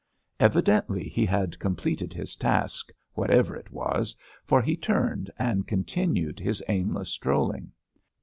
Evidently he had completed his task, whatever it was, for he turned and continued his aimless strolling.